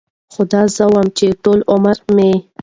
خو دا زه وم چې ټول عمر مې